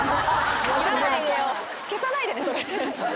消さないでねそれ。